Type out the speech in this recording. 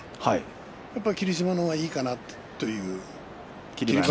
やっぱり霧島の方がいいかなという。